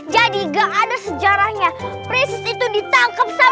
prinsip itu harus naik mobil taksi